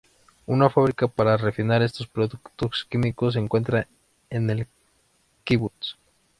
Una fábrica para refinar estos productos químicos se encuentra en el "kibutz".